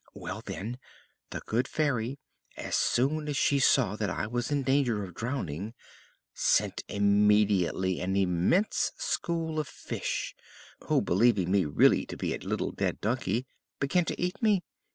Well, then, the good Fairy, as soon as she saw that I was in danger of drowning, sent immediately an immense shoal of fish, who, believing me really to be a little dead donkey, began to eat me.